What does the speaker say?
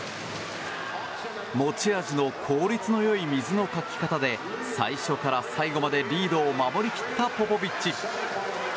持ち味の効率の良い水のかき方で最初から最後までリードを守り切ったポポビッチ。